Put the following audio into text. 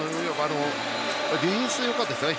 ディフェンスがよかったですね。